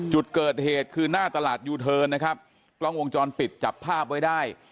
จุดเกิดเหตุคือหน้าตลาดยูเทิร์นนะครับกล้องวงจรปิดจับภาพไว้ได้